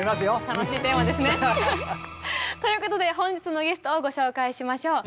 楽しいテーマですね。ということで本日のゲストをご紹介しましょう。